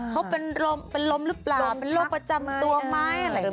เขาเป็นลมหรือเปล่าเป็นโรคประจำตัวไหมอะไรอย่างนี้